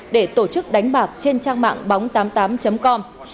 để tổ chức đánh bạc trên trang mạng bóng tám mươi tám com